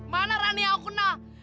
mana rani yang aku kenal